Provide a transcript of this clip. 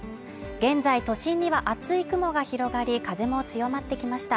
現在、都心には厚い雲が広がり風も強まってきました。